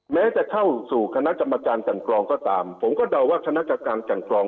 แม้จะเข้าสู่คณะจำมารจารย์จังกรองก็ตามผมก็เดาว่าคณะจำมารจารย์จังกรอง